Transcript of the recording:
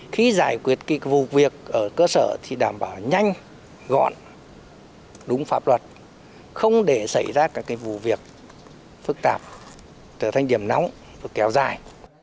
khi giải quyết vụ việc ở cơ sở thì đảm bảo nhanh gọn đúng pháp luật không để xảy ra các vụ việc phức tạp trở thành điểm nóng kéo dài